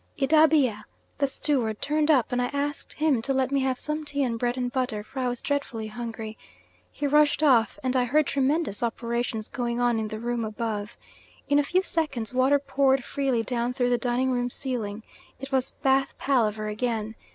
Idabea, the steward, turned up, and I asked him to let me have some tea and bread and butter, for I was dreadfully hungry. He rushed off, and I heard tremendous operations going on in the room above. In a few seconds water poured freely down through the dining room ceiling. It was bath palaver again.